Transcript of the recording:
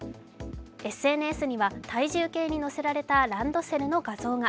ＳＮＳには、体重計に載せられたランドセルの画像が。